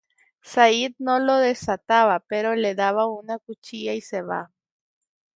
Sayid no lo desata pero le da una cuchilla y se va.